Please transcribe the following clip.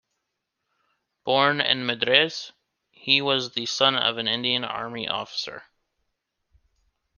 Born in Madras, he was the son of an Indian army officer.